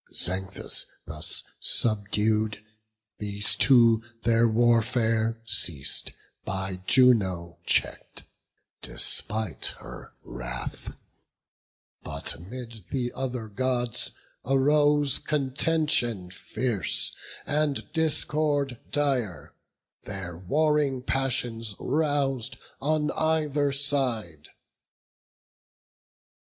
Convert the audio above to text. Xanthus thus subdued, These two their warfare ceas'd, by Juno check'd, Despite her wrath; but 'mid the other Gods Arose contention fierce, and discord dire, Their warring passions rous'd on either side.